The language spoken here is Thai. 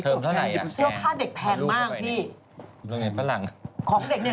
สื่อผ้าเด็กแพงมากพี่